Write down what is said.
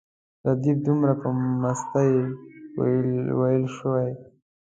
ردیف دومره په مستۍ ویل شوی.